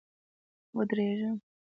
ودرېږه !